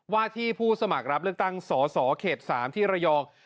ว่าที่ผู้สมัครรับเลือกตั้งสสเขต๓ที่ระยอง